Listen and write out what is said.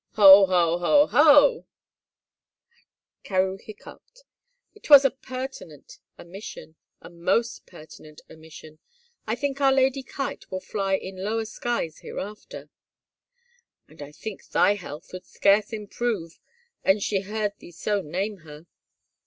Ho, ho, ho, ho," Carewe hiccoughed, "'twas a pertinent omission, a most pertinent omission. I think Our Lady Kite will fly in lower skies hereafter." " And I think thy health would scarce improve an she heard thee so name her."